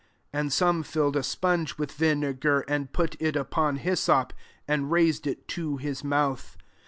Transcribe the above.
And some filled a sponge with vinegar, and put it upon hyssop, and raised it to his mouth.